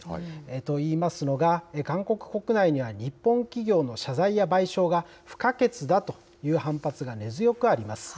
といいますのが、韓国国内には日本企業の謝罪や賠償が不可欠だという反発が根強くあります。